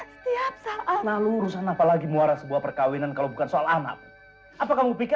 setiap saat anak lu urusan apalagi muara sebuah perkawinan kalau bukan soal anak apa kamu pikir